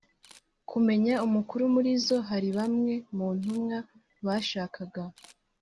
kumenya umukuru muri zo hari bamwe mu ntumwa bashakaga